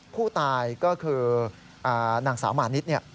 ผู้ตายก็คือนางสาวมานิด